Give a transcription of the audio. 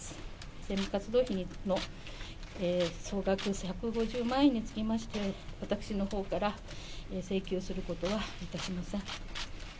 政務活動費の総額１５０万円につきまして、私のほうから請求することはいたしません。